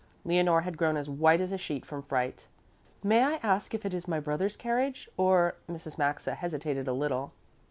Leonore had grown as white as a sheet from fright. "May I ask if it is my brother's carriage, or " Mrs. Maxa hesitated a little.